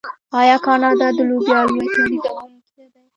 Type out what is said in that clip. آیا کاناډا د لوبیا لوی تولیدونکی نه دی؟